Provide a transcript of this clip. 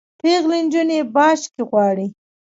پیغلي نجوني باج کي غواړي